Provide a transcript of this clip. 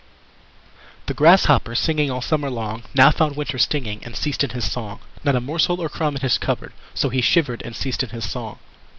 The Grasshopper, singing All summer long, Now found winter stinging, And ceased in his song. Not a morsel or crumb in his cupboard So he shivered, and ceased in his song.